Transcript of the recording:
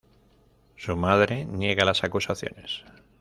Su madre niega las acusaciones.